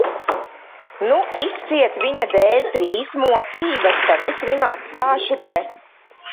Nu, izciet viņa dēļ trīs mocības, tad es viņu atstāšu te.